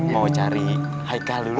mau cari haikal dulu